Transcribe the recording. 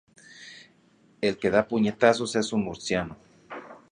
El que da puñetazos es un murciano.